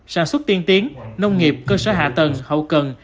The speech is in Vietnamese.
sản xuất tiên tiến nông nghiệp cơ sở hạ tầng hậu cần